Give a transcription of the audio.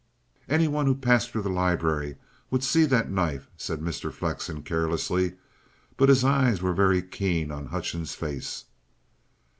"Any one who passed through the library would see that knife," said Mr. Flexen carelessly, but his eyes were very keen on Hutchings' face.